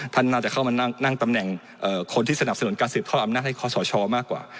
ท่านน่าจะเข้ามานั่งตำแหน่งคนที่สนับสนุนการสืบทอดอำนาจให้คอสชมากกว่า